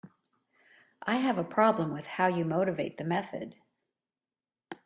I have a problem with how you motivate the method.